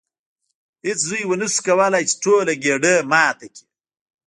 هیڅ زوی ونشو کولی چې ټوله ګېډۍ ماته کړي.